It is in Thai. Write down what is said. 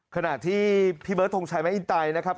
ขณะที่พี่เบิร์ดทงชัยแม่อินไตนะครับ